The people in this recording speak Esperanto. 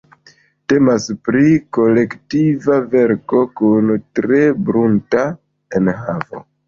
Temas pri kolektiva verko kun tre bunta enhavo.